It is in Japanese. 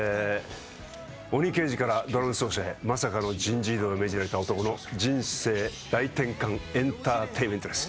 鬼刑事からドラム奏者へ、まさかの人事異動を命じられた男の人生大転換エンターテインメントです。